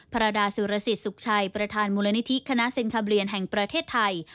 รดาสุรสิทธิ์สุขชัยประธานมูลนิธิคณะเซ็นคาเบียนแห่งประเทศไทย